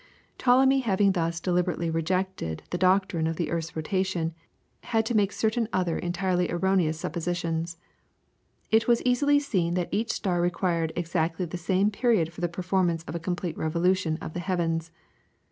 Ptolemy having thus deliberately rejected the doctrine of the earth's rotation, had to make certain other entirely erroneous suppositions. It was easily seen that each star required exactly the same period for the performance of a complete revolution of the heavens.